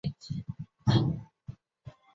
甘肃醉鱼草为玄参科醉鱼草属的植物。